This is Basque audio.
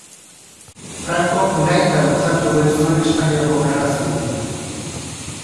Francok nahita luzatu omen zuen Espainiako gerra zibila.